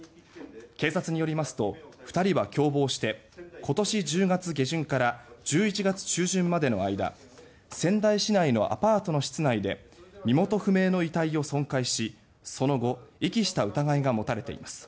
警察によりますと２人は共謀して今年１０月下旬から１１月中旬までの間仙台市内のアパートの室内で身元不明の遺体を損壊しその後、遺棄した疑いが持たれています。